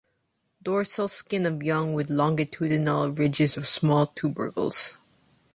Dorsal skin of young with longitudinal ridges of small tubercles.